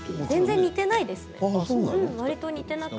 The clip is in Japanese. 全然似てないですね。